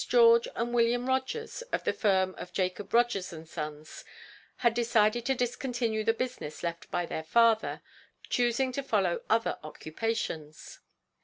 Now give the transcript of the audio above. George and William Rogers, of the firm of Jacob Rogers & Sons, had decided to discontinue the business left by their father, choosing to follow other occupations.